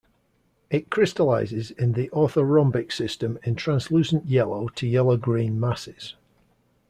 It crystallizes in the orthorhombic system in translucent yellow to yellow green masses.